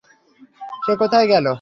সে কোথায় গেল?